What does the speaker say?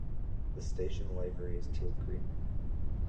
The station livery is teal green.